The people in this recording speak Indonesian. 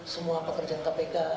semua pekerjaan kpk